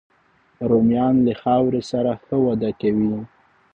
رومیان له خاورې سره ښه وده کوي